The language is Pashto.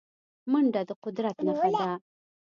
منډه د قدرت نښه ده